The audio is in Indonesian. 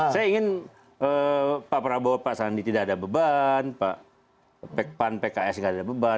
saya ingin pak prabowo pak sandi tidak ada beban pak pan pks tidak ada beban